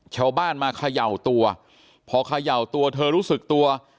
ชาวบ้านมาเขย่าตัวพอเขย่าตัวเธอรู้สึกตัว